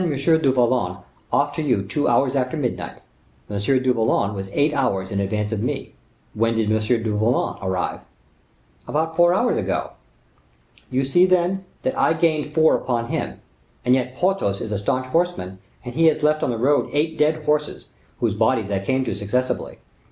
du Vallon off to you two hours after midnight. M. du Vallon was eight hours in advance of me; when did M. du Vallon arrive?" "About four hours ago." "You see, then, that I gained four upon him; and yet Porthos is a staunch horseman, and he has left on the road eight dead horses, whose bodies I came to successively.